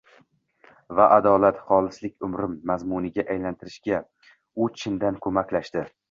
va adolat, xolislik umrim mazmuniga aylantirishiga u chindan ko‘maklashdi.